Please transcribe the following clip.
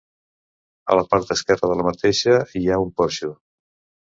A la part esquerra de la mateixa hi ha un porxo.